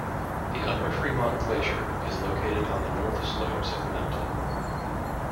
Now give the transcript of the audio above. The Upper Fremont Glacier is located on the north slopes of the mountain.